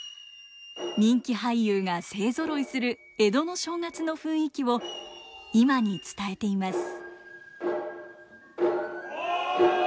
人気俳優が勢ぞろいする江戸の正月の雰囲気を今に伝えています。